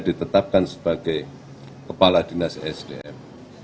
ditetapkan sebagai kepala dinas sdm